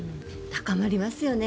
高まりますよね